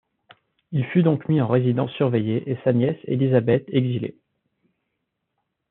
Il fut donc mis en résidence surveillée et sa nièce Élisabeth exilée.